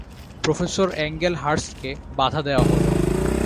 Professor অ্যাংগেল হার্স্টকে বাধা দেয়া হল।